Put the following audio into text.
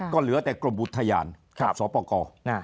ก็เหลือแต่กลมบุทยานขาบสวปกรณ์